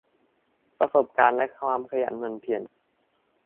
ประสบการณ์และความขยันหมั่นเพียร